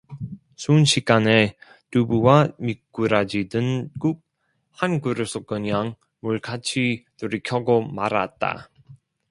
순식간에 두부와 미꾸라지 든 국 한 그릇을 그냥 물같이 들이켜고 말았다.